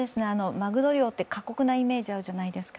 まぐろ漁って過酷なイメージあるじゃないですか。